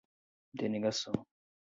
denegação